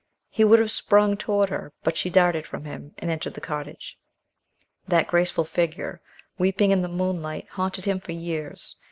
He would have sprung toward her but she darted from him, and entered the cottage. That graceful figure, weeping in the moonlight, haunted him for years.